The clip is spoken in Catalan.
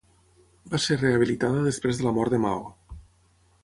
Va ser rehabilitada després de la mort de Mao.